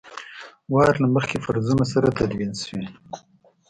وار له مخکې فرضونو سره تدوین شوي.